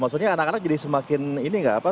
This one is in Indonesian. maksudnya anak anak jadi semakin ini nggak apa